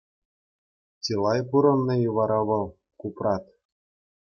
Чылай пурӑннӑ-и вара вӑл Купрат?